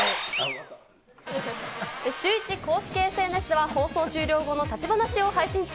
シューイチ公式ＳＮＳでは、放送終了後の立ち話を配信中。